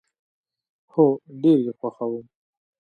هو، ډیر یي خوښوم